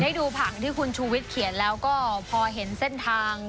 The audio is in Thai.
ให้ดูผังที่คุณชูวิทย์เขียนแล้วก็พอเห็นเส้นทาง